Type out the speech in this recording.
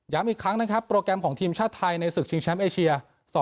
อีกครั้งนะครับโปรแกรมของทีมชาติไทยในศึกชิงแชมป์เอเชีย๒๐